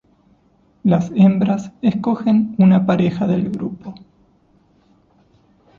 Las hembras escogen una pareja del grupo.